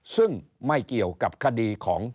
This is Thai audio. ซึ่งไม่เกี่ยวกับคดีของ